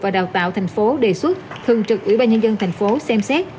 và đào tạo thành phố đề xuất thường trực ủy ban nhân dân thành phố xem xét